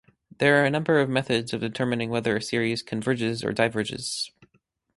There are a number of methods of determining whether a series converges or diverges.